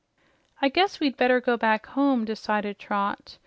"I guess we'd better go back home," decided Trot.